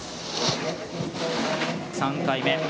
３回目。